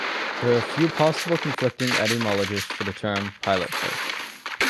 There are a few possible, conflicting etymologies for the term "pilot fish".